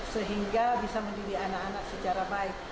sehingga bisa mendidik anak anak secara baik